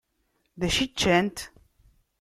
Dacu i ččant?